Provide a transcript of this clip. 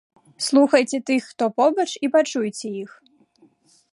Слухайце тых, хто побач і пачуйце іх!